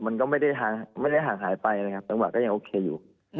มันก็ไม่ได้ห่างหายไปนะครับจังหวะก็ยังโอเคอยู่